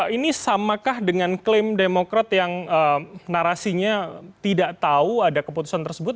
ini samakah dengan klaim demokrat yang narasinya tidak tahu ada keputusan tersebut